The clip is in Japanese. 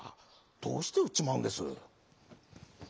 どうしてうっちまうんです？」。